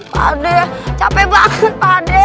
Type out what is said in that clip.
pade cape banget pade